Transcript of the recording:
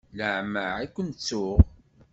Leɛmeɛ i ken-ttuɣ.